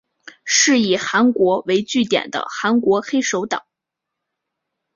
是以韩国为据点的韩国黑手党。